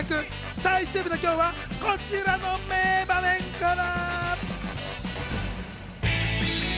最終日の今日はこちらの名場面から！